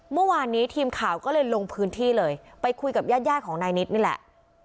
เมื่อวานนี้ทีมข่าวก็เลยลงพื้นที่เลยไปคุยกับญาติของนายนิดนี่แหละ